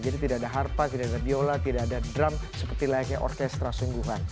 jadi tidak ada harpa tidak ada viola tidak ada drum seperti layaknya orkestra sungguhan